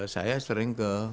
saya sering ke